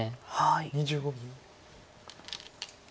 ２５秒。